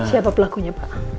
siapa pelakunya pak